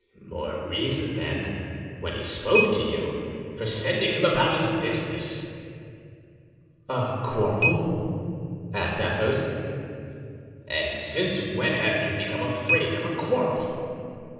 "More reason, then, when he spoke to you, for sending him about his business." "A quarrel?" asked Athos. "And since when have you become afraid of a quarrel?"